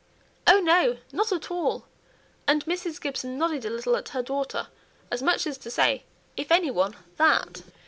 "Oh, no! not at all," and Mrs. Gibson nodded a little at her daughter, as much as to say, "If any one, that."